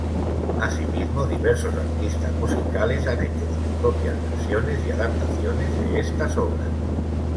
Asimismo diversos artistas musicales han hecho sus propias versiones y adaptaciones de estas obras.